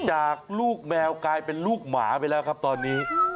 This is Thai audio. จากลูกแมวกลายเป็นลูกหมาไปแล้วครับตอนนี้